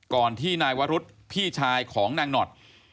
ที่นายวรุษพี่ชายของนางหนอด